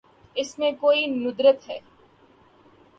اس میں کوئی ندرت ہے۔